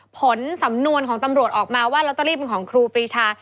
ผลสำนวนของตำรวจออกมาว่าลอตเตอรี่เป็นของครูปรีชา